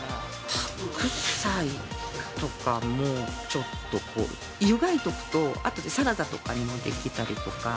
白菜とかも、ちょっとゆがいとくと、あとでサラダとかにもできたりとか。